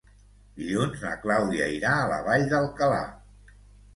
Dilluns na Clàudia irà a la Vall d'Alcalà.